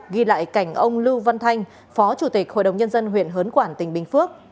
ghi lại cảnh ông lưu văn thanh phó chủ tịch hội đồng nhân dân huyện hớn quản tỉnh bình phước